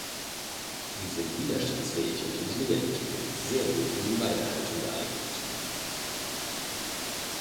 Sie sind widerstandsfähig und intelligent und sehr gut für Weidehaltung geeignet.